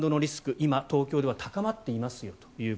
今、東京では高まっていますよ。